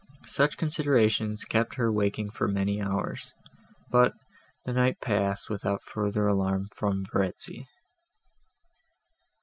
Such considerations kept her waking for many hours; but, the night passed, without further alarm from Verezzi.